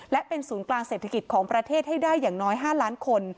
และเป็นศูนย์กลางเศรษฐกิจของประเทศให้ได้อย่างน้อย๕ล้านคน